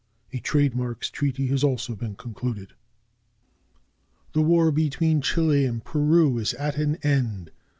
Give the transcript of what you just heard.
A trade marks treaty has also been concluded. The war between Chile and Peru is at an end.